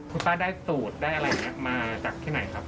คุณป้าได้สูตรได้อะไรอย่างนี้มาจากที่ไหนครับ